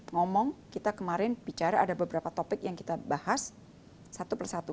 ngomong kita kemarin bicara ada beberapa topik yang kita bahas satu persatu